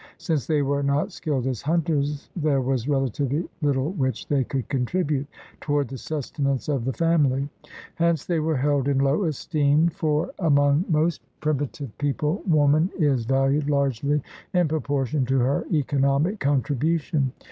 Since they were not skilled as hunters, there was relatively little which they could contribute toward the sustenance of the family. Hence they were held in low esteem, for THE RED MAN IN AMERICA 129 among most primitive people woman is valued largely in proportion to her economic contribution.